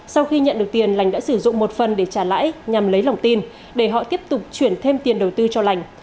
sau khi nhận được tiền lành đã sử dụng một phần để trả lãi nhằm lấy lòng tin để họ tiếp tục chuyển thêm tiền đầu tư cho lành